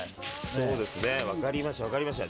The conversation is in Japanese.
そうですね、分かりました。